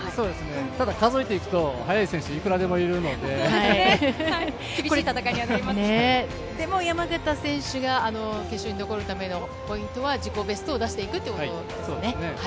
ただ数えてくと、速い選手は山縣選手が決勝に残るためのポイントは自己ベストを出していくということですね。